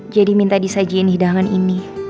jadi minta disajiin hidangan ini